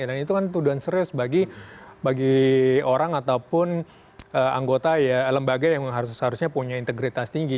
dan itu kan tuduhan serius bagi orang ataupun anggota lembaga yang seharusnya punya integritas tinggi